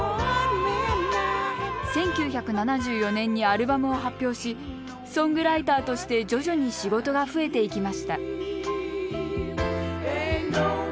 １９７４年にアルバムを発表しソングライターとして徐々に仕事が増えていきました